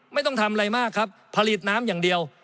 ไม่ต้องทำอะไรมากครับผลิตน้ำอย่างเดียว